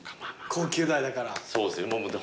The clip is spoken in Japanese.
高級だよだから。